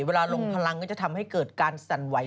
เวลาลงพลังก็จะทำให้เกิดการสั่นไหว